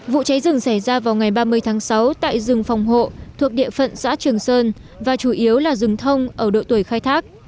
vụ cháy rừng xảy ra vào ngày ba mươi tháng sáu tại rừng phòng hộ thuộc địa phận xã trường sơn và chủ yếu là rừng thông ở độ tuổi khai thác